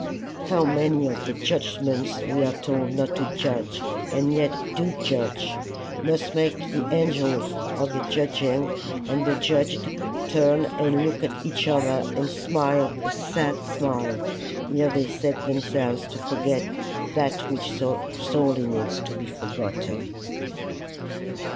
How many of the judgments we are told not to judge and yet do judge, must make the angels of the judging and the judged turn and look at each other and smile a sad smile, ere they set themselves to forget that which so sorely needs to be forgotten.